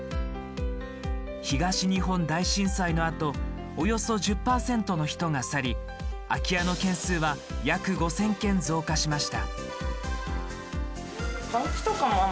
東日本大震災のあとおよそ１０％の人が去り空き家の軒数は約５，０００軒増加しました。